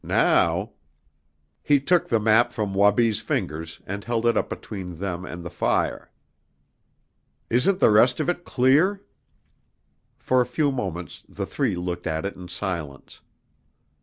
Now " He took the map from Wabi's fingers and held it up between them and the fire. "Isn't the rest of it clear?" For a few moments the three looked at it in silence.